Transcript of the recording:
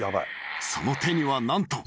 ［その手には何と］